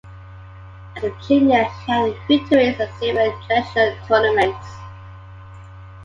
As a junior, she had victories at several international tournaments.